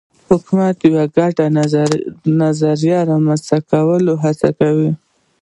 حکومت د یو ګډ نظر د رامنځته کولو هڅه کوي